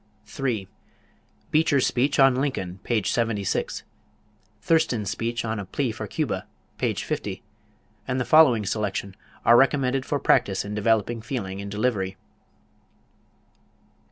3. Beecher's speech on Lincoln, page 76; Thurston's speech on "A Plea for Cuba," page 50; and the following selection, are recommended for practise in developing feeling in delivery.